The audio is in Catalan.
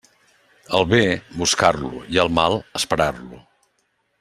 El bé, buscar-lo, i el mal, esperar-lo.